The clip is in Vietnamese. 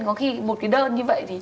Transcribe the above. có khi một cái đơn như vậy